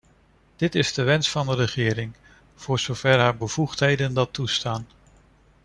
Dit is de wens van de regering, voor zover haar bevoegdheden dat toestaan.